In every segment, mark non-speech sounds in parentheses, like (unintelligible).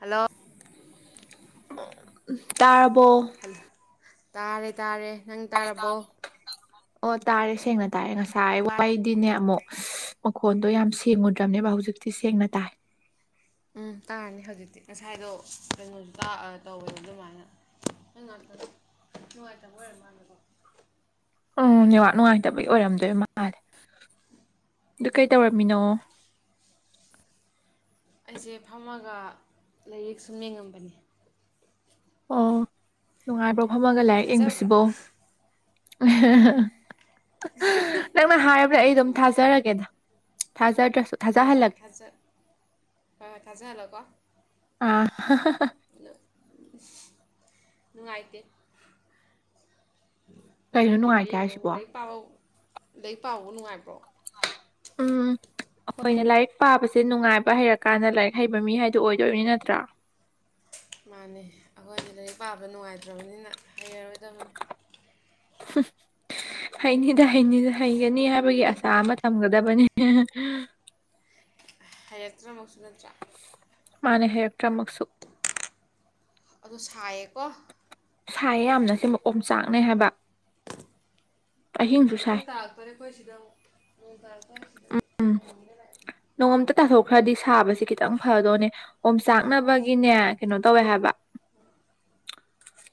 hello ꯇꯥꯔꯕꯣ hello ꯇꯥꯔꯦ ꯇꯥꯔꯦ ꯅꯪ ꯇꯥꯔꯕꯣ ꯑꯣ ꯇꯥꯔꯦ ꯁꯦꯡꯅ ꯇꯥꯔꯦ ꯉꯁꯥꯏ ꯋꯥꯍꯩꯗꯤꯅꯦ ꯑꯃꯨꯛ ꯃꯈꯣꯟꯗꯣ ꯌꯥꯝ ꯁꯦꯡꯉꯨꯗ꯭ꯔꯕꯅꯦꯕ ꯍꯧꯖꯤꯛ ꯤ ꯁꯦꯡꯅ ꯇꯥꯏ ꯎꯝ ꯇꯥꯔꯅꯤ ꯍꯧꯖꯤꯛꯇꯤ ꯉꯁꯥꯏꯗꯣ ꯀꯩꯅꯣꯁꯨ ꯇꯥꯛꯑ ꯇꯧꯕꯗꯣ ꯑꯗꯨꯃꯥꯏꯅ ꯃꯅꯨꯡꯥꯏꯇꯔꯝꯕ ꯎꯝ ꯦꯋꯥꯠ ꯅꯨꯡꯉꯥꯏꯇꯕꯒꯤ ꯑꯣꯏꯔꯝꯗꯣꯏ ꯃꯥꯜꯂꯦ ꯑꯗꯨ ꯀꯩ ꯇꯧꯔꯝꯃꯤꯅꯣ ꯑꯩꯁꯦ ꯐꯝꯃꯒ ꯂꯥꯏꯔꯤꯛ ꯁꯨꯝ ꯅꯉꯝꯕꯅꯤ ꯑꯣ ꯅꯨꯡꯉꯥꯏꯕ꯭ꯔꯣ ꯐꯝꯃꯒ ꯂꯥꯏꯔꯤꯛ ꯊꯥꯖꯕ꯭ꯔꯥ ꯌꯦꯡꯕꯁꯤꯕꯣ ꯅꯪꯅ ꯍꯥꯏꯔꯕ꯭ꯔ ꯑꯩ ꯑꯗꯨꯝ ꯊꯥꯖꯔꯒꯦꯗ ꯊꯖꯥ ꯇ꯭ꯔ ꯊꯖꯥ ꯍꯣꯏ ꯍꯜ ꯍꯣꯏ ꯂꯒꯦ ꯊꯥꯖ ꯍꯣꯏ ꯍꯣꯏ ꯀꯖꯦꯂꯣ ꯀꯣꯂ ꯑꯥ ꯅꯨꯡꯉꯥꯏꯇꯦ ꯀꯩꯅꯣ ꯅꯨꯡꯉꯥꯏꯇꯦꯗ ꯅꯨꯡꯉꯥꯏꯇꯦ ꯌꯦꯡꯕꯕꯨ ꯍꯥꯏꯁꯤꯕꯣ ꯂꯥꯏꯔꯤꯛ ꯄꯥ ꯂꯥꯏꯔꯤꯛ ꯄꯥꯕ ꯅꯨꯡꯉꯥꯏꯕ꯭ꯔꯣ ꯎꯝ ꯑꯩꯈꯣꯏꯅꯦ ꯂꯥꯏꯔꯤꯛ ꯄꯥꯕꯁꯦ ꯅꯨꯡꯉꯥꯏꯕ ꯍꯩꯔꯀꯥꯟꯗ ꯂꯥꯏꯔꯤꯛ ꯍꯩꯕ ꯃꯤ ꯍꯥꯏꯗꯨꯣ ꯑꯣꯏꯗꯣꯏꯅꯤ ꯅꯠꯇ꯭ꯔꯥ ꯃꯥꯅꯤ ꯑꯩꯈꯣꯏꯗꯤ ꯂꯥꯏꯔꯤꯛ ꯄꯥꯕ ꯅꯨꯡꯉꯥꯏꯇ꯭ꯔꯕꯅꯤꯅ ꯍꯩꯔꯔꯣꯏꯗꯕꯅꯤ ꯍꯩꯅꯤꯗ ꯍꯩꯅꯤꯗ ꯍꯩꯒꯅꯤ ꯍꯥꯏꯕꯒꯤ ꯑꯁꯥ ꯑꯃ ꯊꯝꯒꯗꯕꯅꯤ ꯍ ꯍꯩꯔꯛꯇ꯭ꯔꯃꯛꯁꯨ ꯅꯠꯇ꯭ꯔꯥ ꯃꯥꯅꯦ ꯍꯥꯏꯌꯛꯇ꯭ꯔ ꯃꯛꯁꯨ ꯑꯗꯨ ꯁꯥꯏꯌꯦꯀꯣ ꯁꯥꯏꯦ ꯌꯥꯝꯅ ꯁꯤꯦ ꯃꯀꯝꯆꯥꯛꯅꯦ ꯍꯥꯏꯕ ꯑꯍꯤꯡꯁꯨ ꯅꯣꯡꯗꯤꯦ ꯁꯥꯏ ꯇꯥꯔꯛꯇꯣꯔꯦ ꯑꯩꯈꯣꯏ ꯁꯤꯗꯨ ꯑ ꯅꯣꯡꯉꯣꯝꯇ ꯇꯥꯊꯣꯛꯈ꯭ꯔꯗꯤ ꯁꯥꯕꯁꯤ ꯈꯤꯇꯪ ꯐꯗꯣꯏꯅꯦ ꯑꯣꯝ ꯆꯥꯛꯅꯕꯒꯤꯅꯦ ꯀꯩꯅꯣ ꯇꯧꯋꯦ ꯍꯥꯏꯕ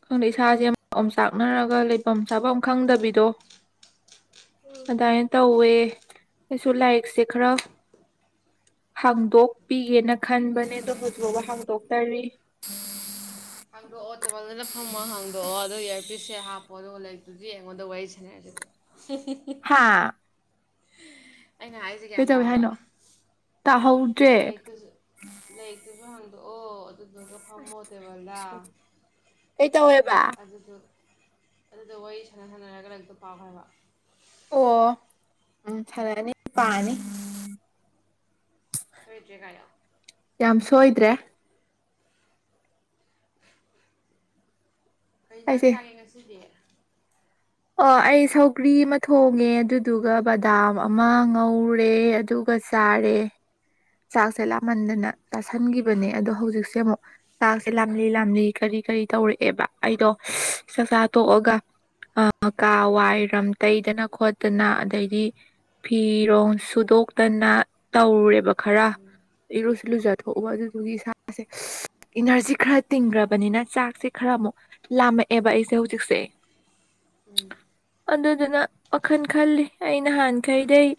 ꯈꯪꯗꯦ ꯏꯁꯥꯁꯦ ꯑꯃ ꯑꯃꯝ ꯆꯥꯛꯅꯔꯒ ꯂꯩꯐꯝ ꯆꯥꯐꯝ ꯈꯪꯗꯕꯤꯗꯣ ꯑꯗꯨꯃꯥꯏꯅ ꯇꯧꯋꯦ ꯑꯩꯁꯨ ꯂꯥꯏꯔꯤꯛꯁꯦ ꯈꯔ ꯎ ꯍꯥꯡꯗꯣꯛꯄꯤꯒꯦꯅ ꯈꯟꯕꯅꯦ ꯑꯗꯣ ꯍꯧꯖꯤꯛꯐꯥꯎꯕ ꯍꯥꯡꯗꯣꯛꯇꯔꯤ ꯍꯥꯡꯗꯣꯛꯑꯣ ꯇꯦꯕꯜꯅꯅ ꯐꯝꯃꯣ ꯍꯥꯡꯗꯣꯛꯑꯣ ꯑꯗꯨꯒꯣ ꯏꯌꯥꯔ ꯄꯤꯁꯁꯦ ꯍꯥꯞꯄ ꯄꯣꯗꯣ ꯂꯥꯏꯔꯤꯛꯇꯨꯗꯤ ꯑꯩꯉꯣꯟꯗ ꯋꯥꯔꯤ ꯁꯥꯟꯅꯔꯁꯦꯗꯣ ꯍꯥ ꯀꯩ ꯇꯧꯋꯦ ꯍꯥꯏꯅꯣ ꯇꯥꯍꯧ ꯂꯥꯏꯛꯛꯇꯁꯨ ꯂꯩꯥꯏꯛꯛꯇꯁꯨ ꯍꯪꯗ ꯑꯣ ꯑꯗꯨꯗꯨꯒ ꯐꯝꯃꯣ ꯇꯦꯕꯜꯗ ꯀꯩ ꯇꯧꯋꯦꯕ ꯑꯗꯨꯗꯨ ꯑꯗꯨꯗ ꯋꯥꯔꯤ ꯁꯥꯟꯅ ꯁꯥꯟꯅꯔꯒ ꯍꯛꯇ ꯄꯥꯎꯈ꯭ꯔꯕ ꯑꯣ ꯎꯝ ꯐꯔꯅꯤ ꯄꯥꯅꯤ ꯁꯣꯏꯗꯦꯒꯌꯥ ꯌꯥꯝ ꯁꯣꯏꯗ꯭ꯔꯦ ꯑꯩ ꯏꯟꯖꯥꯡ ꯑꯩꯁꯦ ꯆꯥꯒꯦ ꯉꯁꯤꯗꯤ ꯑꯣ ꯑꯩ ꯁꯧꯒ꯭ꯔꯤ ꯑꯃ ꯊꯣꯡꯉꯦ ꯑꯗꯨꯗꯨꯒ ꯕꯗꯥꯝ ꯑꯃ ꯉꯧꯔꯦ ꯑꯗꯨꯒ ꯀꯖꯔꯦ ꯆꯥꯛꯁꯦ ꯂꯥꯞꯃꯟꯗꯅ ꯆꯥꯥꯁꯟꯈꯤꯕꯅꯦ ꯑꯗꯣ ꯍꯧꯖꯤꯛꯁꯦ ꯑꯃꯨꯛ ꯆꯥꯛꯁꯦ ꯂꯥꯝꯂꯤ ꯂꯥꯝꯂꯤ ꯀꯔꯤ ꯀꯔꯤ ꯇꯧꯔꯛꯑꯦꯕ ꯑꯩꯗꯣ ꯆꯥꯛꯆꯥ ꯇꯣꯛꯑꯒ ꯑ ꯀꯥ ꯋꯥꯏꯔꯝ ꯇꯩꯗꯅ ꯈꯣ ꯠꯇꯅ ꯑꯗꯩꯗꯤ ꯐꯤꯔꯣ ꯁꯨꯗꯣꯛꯇꯅ ꯇꯧꯔꯨꯔꯦꯕ ꯈꯔ ꯎꯝ ꯏꯔꯨꯁꯤꯜꯂꯨꯖꯠ ꯊꯣꯛꯎ ꯍꯣꯏ ꯑꯗꯨꯗꯨꯒꯤ ꯏꯁ ꯃꯥꯦ ꯏꯅꯔꯖꯤ ꯈꯔ ꯇꯤꯡꯈ꯭ꯔꯕꯅꯤꯅ ꯆꯥꯛꯁꯦ ꯈꯔ ꯑꯃꯨꯛ ꯂꯥꯝꯃꯛꯑꯦꯕ ꯑꯩꯁꯦ ꯍꯧꯖꯤꯛꯁꯦ ꯎꯝ ꯑꯗꯨꯗꯨꯅ ꯋꯥꯈꯜ ꯈꯜꯂꯤ ꯑꯩ ꯅꯍꯥꯟꯈꯩꯗꯩ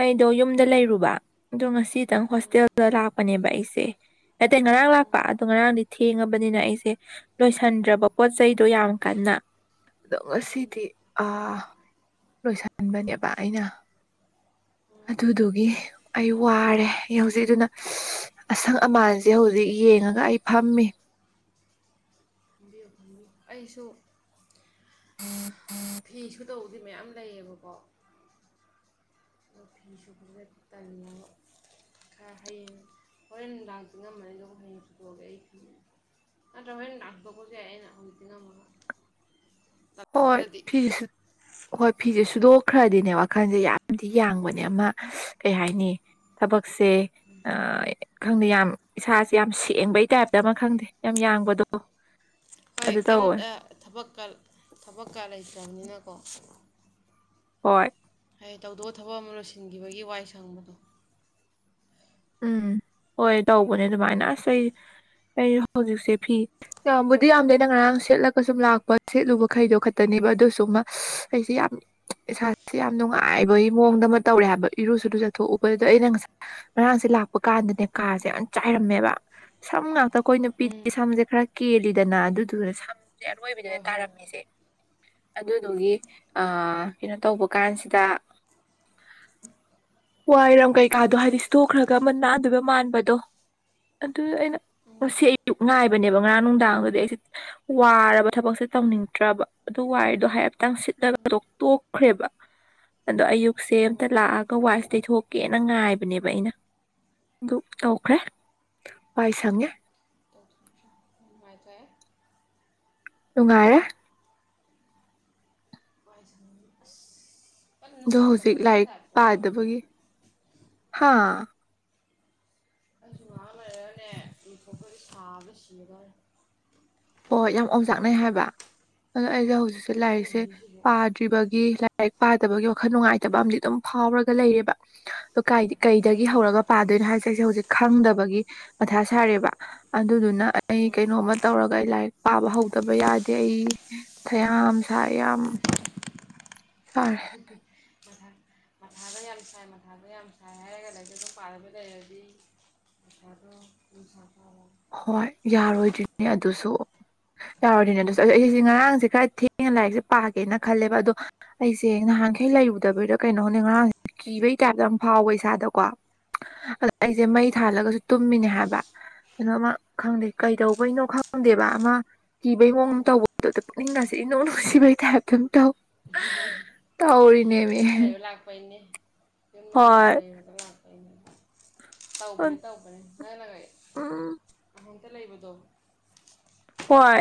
ꯑꯩꯗꯣ ꯌꯨꯝꯗ ꯂꯩꯔꯨꯕ ꯑꯗꯣ ꯉꯁꯤ ꯈꯤꯇꯪ ꯎꯝ ꯍꯣꯁꯇꯦꯜꯗ ꯂꯥꯛꯄꯅꯦꯕ ꯑꯩꯁꯦ ꯅꯇꯩ ꯉꯔꯥꯡ ꯎꯝ ꯂꯥꯛꯄ ꯑꯗꯣ ꯉꯔꯥꯡꯗꯤ ꯊꯦꯡꯉꯕꯅꯤꯅ ꯑꯩꯁꯦ ꯂꯣꯏꯁꯤꯟꯗ꯭ꯔꯕ ꯄꯣꯠ ꯆꯩꯗꯣ ꯌꯥꯝ ꯀꯟꯅ ꯑꯗꯣ ꯎꯝ ꯉꯁꯤꯗꯤ ꯑ ꯂꯣꯏꯁꯤꯟꯕꯅꯦꯕ ꯑꯩꯅ ꯎꯝ ꯑꯗꯨꯗꯨꯒꯤ ꯑꯩ ꯋꯥꯔꯦ ꯑꯩ ꯍꯧꯖꯤꯛ ꯑꯗꯨꯅ ꯑꯁꯪ ꯑꯃꯥꯟꯁꯤꯦ ꯍꯧꯖꯤꯛ ꯌꯦꯡꯉꯒ ꯑꯩ ꯐꯝꯃꯤ ꯑꯩꯁꯨꯁꯨ ꯎꯝ ꯎꯝ ꯐꯤꯁꯨ ꯇꯧꯕꯗꯤ ꯃꯌꯥꯝ ꯂꯩꯌꯦꯕꯀꯣ ꯑꯣ ꯐꯨ꯭ꯦ ꯊꯅꯤ ꯈꯔ ꯍꯌꯦꯡ ꯍꯣꯔꯦꯟ ꯂꯥꯡꯇ ꯉꯝꯃꯅꯤ ꯑꯗꯨꯒ ꯍꯌꯦꯡꯁꯨ ꯇꯣꯛꯑꯒꯦ ꯑꯩ ꯐ ꯇꯍꯦꯟꯅ ꯑꯊꯧꯕꯒꯦ ꯑꯩꯅ ꯍꯗꯅ ꯃ ꯍꯣꯏ ꯐꯦꯁꯨ ꯍꯣꯏ ꯐꯤꯁꯦꯁꯨꯗꯣꯛ ꯈ꯭ꯔꯗꯤꯅꯦ ꯋꯥꯈꯜꯁꯦ ꯌꯥꯝꯗꯤ ꯌꯥꯡꯕꯅꯦ ꯑꯃ ꯀꯩ ꯍꯥꯏꯅꯤ ꯊꯕꯛ ꯁꯦ ꯈꯪꯗꯦ ꯌꯥꯝ ꯏꯁꯥꯁꯦ ꯌꯥꯝ ꯁꯦꯡꯕꯩ ꯇꯥꯏꯞꯇ ꯑꯃ ꯈꯪꯗꯦ ꯌꯥꯝ ꯌꯥꯡꯕꯗꯣ ꯍꯣꯏ ꯑꯗꯨ ꯇꯧꯋꯦ ꯀꯩꯝꯇ ꯊꯕꯛꯀ ꯊꯕꯛꯀ ꯂꯩꯇ꯭ꯔꯕꯅꯤꯅꯀꯣ ꯍꯣꯏ ꯍꯥꯏꯌꯦ ꯇꯧꯗꯧꯕ ꯊꯕꯛ ꯑꯃ ꯂꯣꯏꯁꯤꯟꯈꯤꯕꯒꯤ ꯋꯥꯏ ꯁꯪꯕꯗꯣ ꯎꯝ ꯍꯣꯏ ꯇꯧꯕꯅꯦ ꯑꯗꯨꯃꯥꯏꯅ ꯑꯁ ꯑꯩ ꯑꯩ ꯍꯧꯖꯤꯛꯁꯦ ꯐꯤ ꯌꯥꯝꯕꯨꯗꯤ ꯌꯥꯝꯗꯦꯩꯅ ꯉꯔꯥꯡ ꯁꯦꯠꯂꯒ ꯁꯨꯝ ꯂꯥꯛꯄ ꯁꯦꯠꯂꯨꯕ ꯈꯩꯗꯣ ꯈꯛꯇꯅꯦ ꯕ ꯑꯗꯨꯁꯨ ꯑꯃ ꯑꯩꯁꯤꯦ ꯌꯥꯝ ꯏꯁꯥꯁꯦ ꯌꯥꯝ ꯅꯨꯡꯉꯥꯏꯕꯒꯤ ꯃꯑꯣꯡꯗ ꯑꯃ ꯇꯧꯔꯦ ꯍꯥꯏꯕ ꯏꯔꯨꯁꯨ ꯊꯣꯛꯎꯕꯗꯨꯗ ꯑꯩꯅ ꯉꯁ ꯉꯔꯥꯡꯁꯦ ꯂꯥꯛꯄ ꯀꯥꯟꯗꯅꯦ ꯀꯥꯁꯦ ꯌꯥꯝ ꯆꯥꯏꯔꯝꯃꯦꯕ ꯁꯝ ꯉꯥꯛꯇ ꯑꯩꯈꯣꯏ ꯎꯝ ꯅꯨꯄꯤꯗꯤ ꯁꯝꯁꯦ ꯈꯔ ꯀꯦꯜꯂꯤꯗꯅ ꯑꯗꯨꯗꯨꯅ ꯁꯝꯁꯦ ꯑꯔꯣꯏꯕꯗꯨꯗ ꯍꯣꯏ ꯍꯣꯏ ꯇꯥꯔꯝꯃꯤꯁꯦ ꯑꯗꯨꯗꯨꯒꯤ ꯀꯩꯅꯣ ꯇꯧꯕ ꯀꯥꯟꯁꯤꯗ ꯋꯥꯏꯔꯝ ꯀꯩꯀꯥꯗꯣ ꯍꯥꯏꯗꯤ ꯁꯇꯣꯛꯈ꯭ꯔꯒ ꯑꯃ ꯅꯥꯟꯗꯣꯏꯕ ꯃꯥꯟꯕꯗꯣ ꯑꯗꯨꯗ ꯑꯩꯅ ꯉ ꯎꯝ ꯑꯌꯨꯛ ꯉꯥꯏꯕꯅꯦꯕ ꯉꯔꯥꯡ ꯅꯨꯡꯗꯥꯡꯗꯗꯤ ꯑꯩꯁꯦ ꯋꯥꯔꯕ ꯊꯕꯛꯁꯦ ꯇꯧꯅꯤꯡꯗ꯭ꯔꯕ ꯑꯗꯨ ꯋꯥꯏꯗꯣ ꯍꯥꯏꯦꯠꯇꯪ ꯁꯤꯠꯂꯒꯣꯛ ꯇꯣꯛꯈ꯭ꯔꯦꯕ ꯑꯗꯣ ꯑꯌꯨꯛꯁꯦ ꯎꯝ ꯑꯃꯝꯇ ꯂꯥꯛꯑꯒ ꯋꯥꯏꯁꯦ ꯇꯩꯊꯣꯛꯀꯦꯅ ꯉꯥꯏꯕꯅꯦꯕ ꯑꯩꯅ ꯑꯗꯨ ꯇꯧꯈ꯭ꯔꯦ ꯋꯥꯏ ꯁꯪꯉꯦ ꯃꯥꯥꯏ ꯆꯦ ꯨꯡꯉꯥꯏꯔꯦ (unintelligible) ꯑꯗꯣ ꯍꯧꯖꯤꯛ ꯁꯥꯒꯠꯂꯛꯄꯩ ꯂꯥꯏꯔꯤꯛ ꯇꯥꯏꯞꯇ ꯑꯃ ꯇꯧꯔꯦ ꯄꯥꯗꯕꯒꯤ ꯍꯥꯏꯕ ꯍꯥꯥ ꯑꯩꯁꯨ ꯉꯥꯡ ꯂꯩꯔꯒꯅꯦ ꯃꯤꯊꯣꯛꯇꯗꯤ ꯁꯥꯕ ꯁꯤꯂꯗꯔꯦ ꯍꯣꯏ ꯍꯣꯏ ꯌꯥꯝ ꯑꯣꯆꯥꯛꯅꯩ ꯍꯥꯏꯕ ꯑꯗꯣ ꯑꯩꯁꯦ ꯍꯧꯖꯤꯛꯁꯦ ꯂꯥꯏꯔꯤꯛꯁꯦ ꯀꯩꯒꯤꯅꯣ ꯁꯤꯕꯣ ꯄꯥꯗ꯭ꯔꯤꯕꯒꯤ ꯂꯥꯏꯔꯤꯛ ꯄꯥꯗꯕꯒꯤ ꯋꯥꯈꯜ ꯅꯨꯡꯉꯥꯏꯇꯕ ꯑꯃꯗꯤꯝ ꯑꯗꯨꯝ ꯐꯥꯎꯔꯒ ꯂꯩꯔꯦꯕ ꯑꯗꯣ ꯀꯥꯏꯗꯤ ꯑꯗꯨ ꯀꯩꯗꯒꯤ ꯂꯥꯏꯔꯤꯛꯇꯣ ꯍꯧꯔꯒ ꯄꯥꯗꯣꯏꯅꯣ ꯄꯥꯊꯣꯛꯑꯣ ꯍꯥꯏꯁꯦ ꯑꯩꯁꯦ ꯍꯧꯖꯤꯛ ꯈꯪꯗꯕꯒꯤ ꯃꯊꯥ ꯁꯥꯔꯦꯕ ꯑꯗꯨꯗꯨꯅ ꯑꯩ ꯎꯝ ꯀꯩꯅꯣꯝꯃ ꯇꯧꯔꯛ ꯂꯥꯏꯔꯤꯛ ꯄꯥꯕ ꯍꯧꯗꯕ ꯌꯥꯗꯦ ꯑꯩ ꯀꯌꯥꯝ ꯁꯥꯏ ꯌꯥꯝ ꯐꯔꯦ ꯀꯥ ꯃꯊꯥꯗ ꯌꯥꯝ ꯁꯥꯏ ꯃꯊꯥꯗ ꯌꯥꯝ ꯁꯥꯏ ꯍꯥꯏꯔꯒ ꯂꯩꯗꯤ ꯑꯗꯨꯝ ꯄꯥꯔꯕ ꯂꯩꯔꯗꯤ ꯄꯁꯗꯣ ꯄꯩꯁꯥ ꯇ ꯍꯣꯏ ꯌꯥꯔꯣꯏꯗꯣꯏꯅꯦ ꯑꯗꯨꯁꯨ ꯌꯥꯎꯔꯤꯅꯦ ꯑꯗꯨꯗꯁꯨ ꯑꯩꯁꯦ ꯉꯔꯥꯡꯁꯦ ꯈꯔ ꯊꯦꯡꯅ ꯂꯥꯏꯔꯤꯛꯁꯦ ꯄꯥꯒꯦꯅ ꯈꯜꯂꯦꯕ ꯑꯗꯣ ꯑꯩꯁꯦ ꯅꯍꯥꯟ ꯅꯍꯥꯟꯈꯩ ꯂꯩꯔꯨꯗꯕꯩꯗ ꯀꯩꯅꯣꯅꯤ ꯉꯔꯥꯡ ꯀꯤꯕꯩ ꯇꯥꯏꯞꯇ ꯌꯥꯝ ꯐꯥꯎꯕ ꯏꯁꯥꯗꯀꯣ ꯑ ꯑꯩꯁꯦ ꯃꯩ ꯍꯣꯏ ꯊꯥꯜꯂꯒꯁꯨ ꯇꯨꯝꯃꯤꯅꯦ ꯍꯥꯏꯕ ꯀꯩꯅꯣ ꯑꯃ ꯈꯪꯗꯦ ꯀꯩꯗꯧꯕꯩꯅꯣ ꯈꯪꯗꯦꯕ ꯑꯃ ꯀꯤꯕꯩꯍꯣꯡ ꯑꯃ ꯇꯧꯕꯗꯗ ꯄꯨꯛꯅꯤꯡꯒꯁꯤꯦ ꯍꯁꯤꯕ ꯊꯝ ꯇꯣ ꯎꯝ ꯇꯧꯔꯤꯅꯦꯃꯤ ꯁꯨꯔꯥꯏꯕꯨ ꯂꯥꯛꯄꯅꯦꯅꯤ ꯌꯝꯗꯟꯅꯦ ꯍꯣꯏ ꯂꯩ ꯎꯝ ꯇꯧꯕꯅꯦ ꯇꯧꯕꯅꯦ ꯅꯪꯅꯒ ꯅꯊꯟꯇ ꯂꯩꯕꯗꯣ ꯍꯣꯏ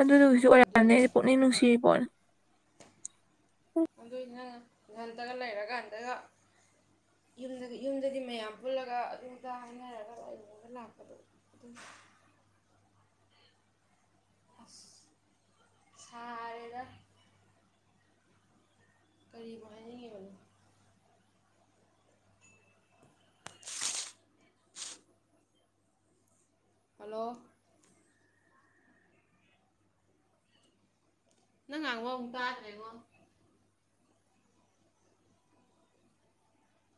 ꯑꯗꯨꯗꯨꯒꯤꯁꯨ ꯑꯣꯏꯔꯝꯅꯦ ꯑꯗꯨꯏꯅꯦ ꯑꯩ ꯄꯨꯛꯅꯤꯡ ꯅꯨꯡꯁꯤꯔꯤꯕꯣꯅꯦ ꯑꯗꯨꯏꯅ ꯏꯙꯟꯗꯒ ꯂꯩꯔꯀꯥꯟꯗꯒ ꯌ ꯌꯨꯝꯗꯗꯤ ꯃꯌꯥꯝ ꯄꯨꯜꯂꯒ ꯑꯗꯨꯝꯗ ꯍꯥꯏꯅꯔꯒ ꯑꯩꯉꯣꯟꯗ ꯂꯥꯛꯄꯗꯣ (unintelligible) ꯁꯥꯔꯦꯗ ꯀꯔꯤꯕꯅꯣ ꯍꯥꯏꯅꯤꯡꯉꯤꯕꯅꯣ ꯍꯜꯂꯣ ꯅꯪ ꯉꯥꯡꯕ ꯑꯃꯨꯛ ꯇꯥꯗꯔꯦꯉꯣ